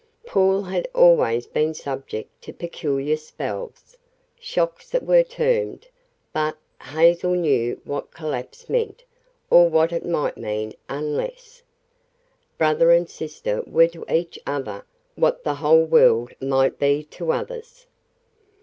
Paul had always been subject to peculiar spells shocks they were termed but Hazel knew what collapse meant, or what it might mean, unless Brother and sister were to each other what the whole world might be to others.